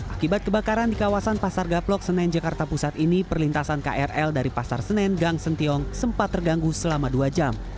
akibat kebakaran di kawasan pasar gaplok senen jakarta pusat ini perlintasan krl dari pasar senen gang sentiong sempat terganggu selama dua jam